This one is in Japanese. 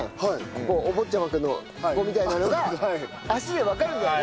ここおぼっちゃまくんのここみたいなのが足でわかるんだよね？